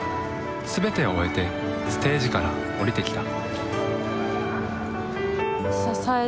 全てを終えてステージから下りてきた。